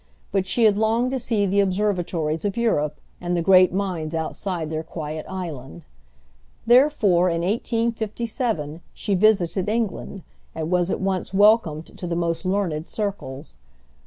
But she had longed to see the observatories of Europe, and the great minds outside their quiet island. Therefore, in 1857, she visited England, and was at once welcomed to the most learned circles.